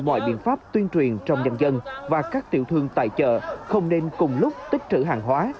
mọi biện pháp tuyên truyền trong nhân dân và các tiểu thương tại chợ không nên cùng lúc tích trữ hàng hóa